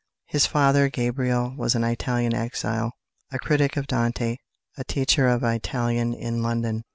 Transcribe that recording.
His father, Gabriele, was an Italian exile, a critic of Dante, a teacher of Italian in London.